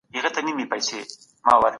تاسي باید په سهار کي ډېري اوبه وچښئ.